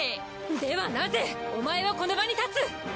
ではなぜお前はこの場に立つ！